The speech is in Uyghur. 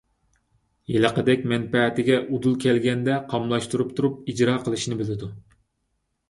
ھېلىقىدەك مەنپەئەتىگە ئۇدۇل كەلگەندە قاملاشتۇرۇپ تۇرۇپ ئىجرا قىلىشنى بىلىدۇ.